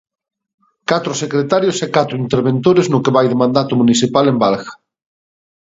Catro secretarios e catro interventores no que vai de mandato municipal en Valga.